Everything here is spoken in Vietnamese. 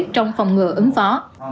trong phòng ngừa ứng phó